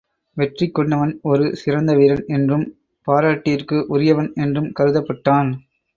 வெற்றி கொண்டவன் ஒரு சிறந்த வீரன் என்றும், பாராட்டிற்கு உரியவன் என்றும் கருதப்பட்டான்.